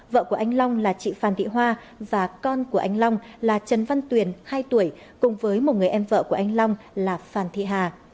vợ của anh long là chị phan thị hoa và con của anh long là trần văn tuyền hai tuổi cùng với một người em vợ của anh long là phan thị hà